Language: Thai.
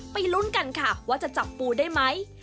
ลุ้นกันค่ะว่าจะจับปูได้ไหม